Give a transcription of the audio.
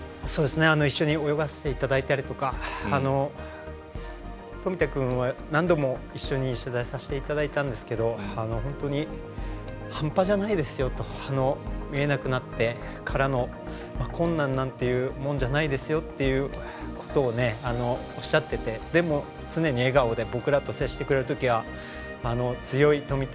一緒に泳がせていただいたりとか富田君は何度も一緒に取材させていただいたんですけれども本当に半端じゃないですよと見えなくなってからの困難なんてもんじゃないですよってことをおっしゃってて、でも常に笑顔で僕らと接してくれるときは強い富田